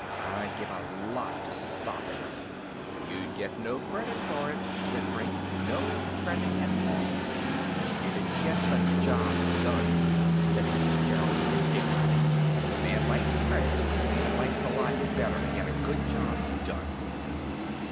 I'd give a lot to stop him." "You'd get no credit for it," said Brink. "No credit at all." "I'd get the job done!" said Fitzgerald indignantly. "A man likes credit, but he likes a lot better to get a good job done!"